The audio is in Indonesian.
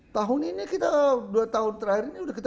tahun ini kita dua tahun terakhir ini kita sudah pecat tujuh puluh empat